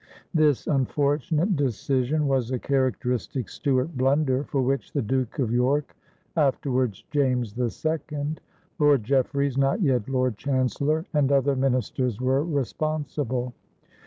This unfortunate decision was a characteristic Stuart blunder for which the Duke of York (afterwards James II), Lord Jeffreys (not yet Lord Chancellor), and other ministers were responsible.